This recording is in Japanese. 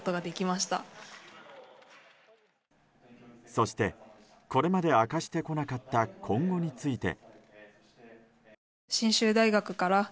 そしてこれまで明かしてこなかった今後について。